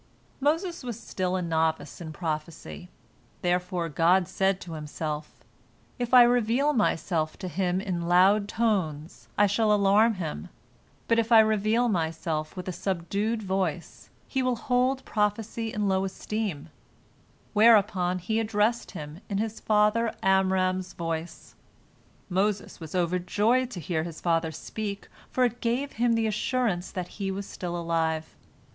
" Moses was still a novice in prophecy, therefore God said to Himself, "If I reveal Myself to him in loud tones, I shall alarm him, but if I reveal Myself with a subdued voice, he will hold prophecy in low esteem," whereupon he addressed him in his father Amram's voice. Moses was overjoyed to hear his father speak, for it gave him the assurance that. he was still alive.